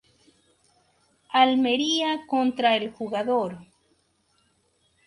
Almería contra el jugador.